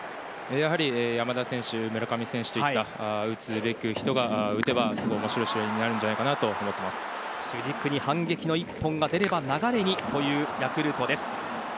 やはり山田選手、村上選手といった打つべく人が打てば、すごく面白い試合になるんじゃないかなと主軸に反撃の一本が出れば流れにというヤクルトです。